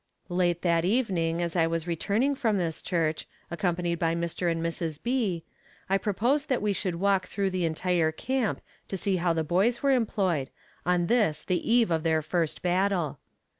Late that evening as I was returning from this church, accompanied by Mr. and Mrs. B., I proposed that we should walk through the entire camp to see how the boys were employed, on this, the eve of their first battle.